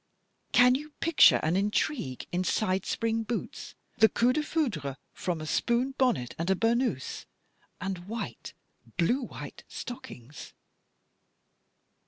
" Can you picture an intrigue in side spring boots, the coup defoucbre from a spoon bonnet and a burnous, and white, blue white stockings